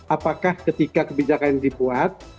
apakah ketika kebijakan ini dibuat